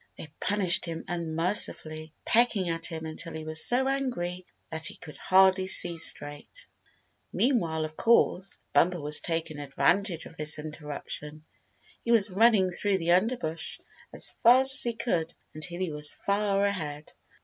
They punished him unmercifully, pecking at him until he was so angry that he could hardly see straight. Meanwhile, of course, Bumper was taking advantage of this interruption. He was running through the underbrush as fast as he could until he was far ahead.